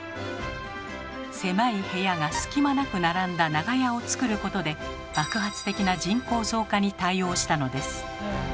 狭い部屋が隙間なく並んだ長屋をつくることで爆発的な人口増加に対応したのです。